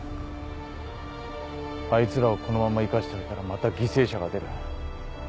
あいつらをこのまんま生かしといたらまた犠牲者が出る。